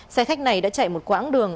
xe khách này đã chạy một quãng đường